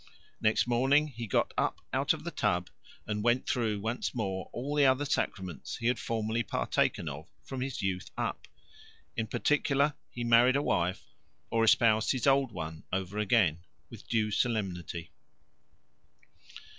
Next morning he got out of the tub and went through once more all the other sacraments he had formerly partaken of from his youth up; in particular, he married a wife or espoused his old one over again with due solemnity.